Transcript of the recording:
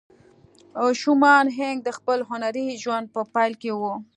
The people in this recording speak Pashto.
شومان هینک د خپل هنري ژوند په پیل کې وه